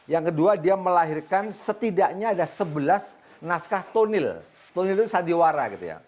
yang kedua dia melahirkan setidaknya ada sebelas naskah tonil tonil sadiwara gitu ya